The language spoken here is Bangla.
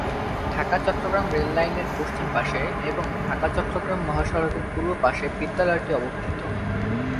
ঢাকা-চট্টগ্রাম রেল লাইনের পশ্চিম পার্শ্বে এবং ঢাকা-চট্টগ্রাম মহাসড়কের পূর্ব পার্শ্বে বিদ্যালয়টি অবস্থিত।